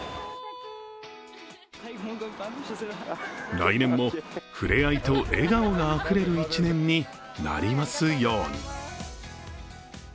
来年も、ふれあいと笑顔があふれる１年になりますように。